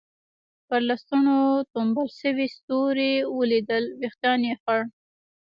پر لستوڼو ټومبل شوي ستوري ولیدل، وېښتان یې خړ.